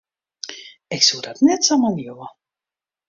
Ik soe dat net samar leauwe.